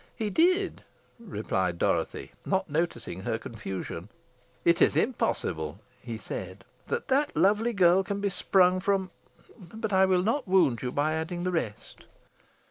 "He did," replied Dorothy, not noticing her confusion. "'It is impossible,' he said, 'that that lovely girl can be sprung from' but I will not wound you by adding the rest."